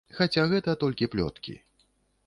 Хаця гэта толькі плёткі.